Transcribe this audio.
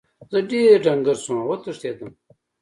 زه ډیر ډنګر شوم او وتښتیدم.